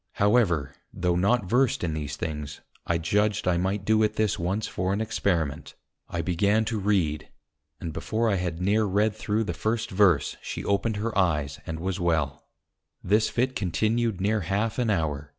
However, tho' not versed in these things, I judged I might do it this once for an Experiment. I began to read, and before I had near read through the first Verse, she opened her Eyes, and was well; this Fit continued near half an hour.